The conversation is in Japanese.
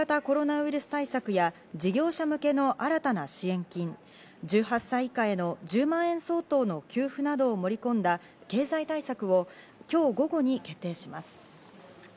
政府は新型コロナウイルス対策や事業者向けの新たな支援金、１８歳以下への１０万円相当の給付などを盛り込んだ経済対策を今日午後に決定します。